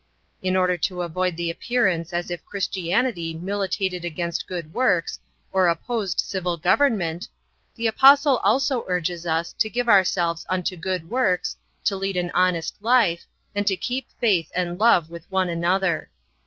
In order to avoid the appearance as if Christianity militated against good works or opposed civil government, the Apostle also urges us to give ourselves unto good works, to lead an honest life, and to keep faith and love with one another.